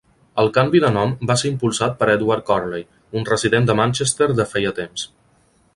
El canvi de nom va ser impulsat per Edward Corley, un resident de Manchester de feia temps.